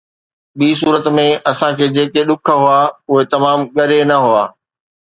ٻي صورت ۾، اسان کي جيڪي ڏک هئا، اهي تمام ڳري نه هئا